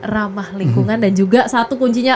ramah lingkungan dan juga satu kuncinya